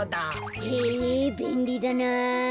へえべんりだな。